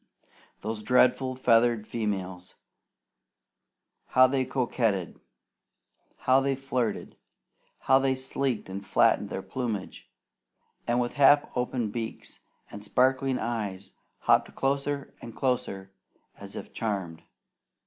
Those dreadful feathered females! How they coquetted! How they flirted! How they sleeked and flattened their plumage, and with half open beaks and sparkling eyes, hopped closer and closer as if charmed.